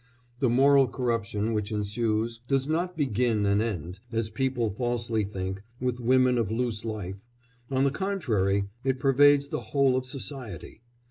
The moral corruption which ensues does not begin and end, as people falsely think, with women of loose life; on the contrary, it pervades the whole of society.